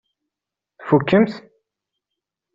Tfukkemt-tt?